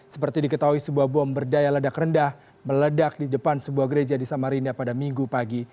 seperti diketahui sebuah bom berdaya ledak rendah meledak di depan sebuah gereja di samarinda pada minggu pagi